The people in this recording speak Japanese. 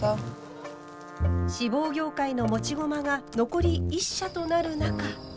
志望業界の持ち駒が残り１社となる中。